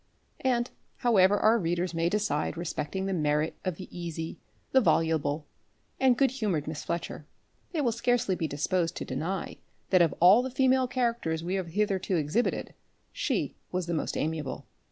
And however our readers may decide respecting the merit of the easy, the voluble and the good humoured Miss Fletcher, they will scarcely be disposed to deny that of all the female characters we have hitherto exhibited, she was the most amiable.